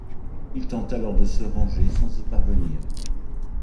Il tente alors de se ranger sans y parvenir.